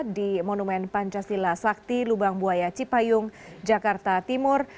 di monumen pancasila sakti lubang buaya cipayung jakarta timur